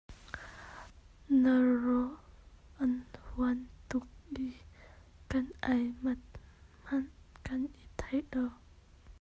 Na rawl a hnun tuk i kan ei manh hmanh kan i thei lo.